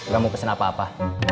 gak mau pesen apa apa